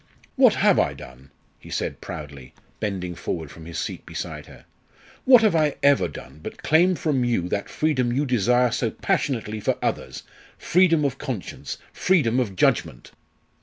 "What have I done?" he said proudly, bending forward from his seat beside her. "What have I ever done but claim from you that freedom you desire so passionately for others freedom of conscience freedom of judgment?